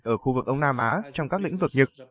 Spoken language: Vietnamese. ở khu vực âu nam á trong các lĩnh vực nhật